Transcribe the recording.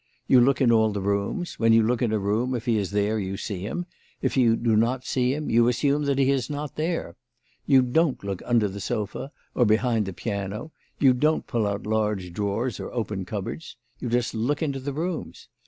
You look in all the rooms. When you look in a room, if he is there, you see him; if you do not see him, you assume that he is not there. You don't look under the sofa or behind the piano, you don't pull out large drawers or open cupboards. You just look into the rooms.